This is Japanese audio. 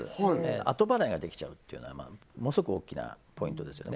後払いができちゃうっていうのはものスゴく大きなポイントですよね